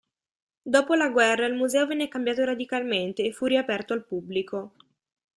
Dopo la guerra il museo venne cambiato radicalmente e fu riaperto al pubblico.